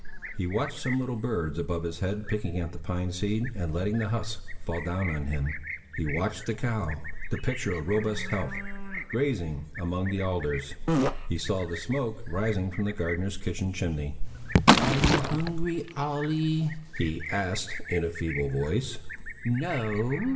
He watched some little birds above his head picking at the pine seed and letting the husks fall down on him; he watched a cow, the picture of robust health, grazing among the alders; he saw the smoke rising from the gardener's kitchen chimney. "Are you hungry, Olle?" he asked in a feeble voice. "No!"